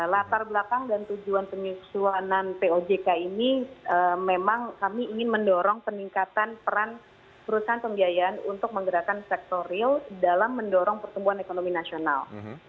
latar belakang dan tujuan penyesuaian pojk ini memang kami ingin mendorong peningkatan peran perusahaan pembiayaan untuk menggerakkan sektor real dalam mendorong pertumbuhan ekonomi nasional